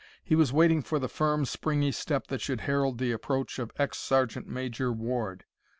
He was waiting for the firm, springy step that should herald the approach of ex Sergeant Major Ward.